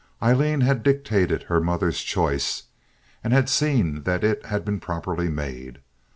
Aileen had dictated her mother's choice, and had seen that it had been properly made.